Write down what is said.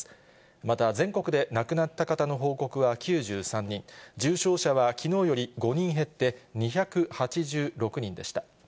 また、全国で亡くなった方の報告は９３人、重症者はきのうより５人減って２８６人でした。